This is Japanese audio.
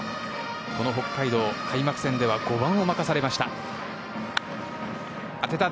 この北海道開幕戦では５番を任されました。